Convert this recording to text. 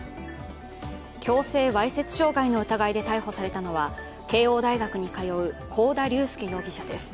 強制わいせつ傷害の疑いで逮捕されたのは慶応大学に通う幸田龍祐容疑者です。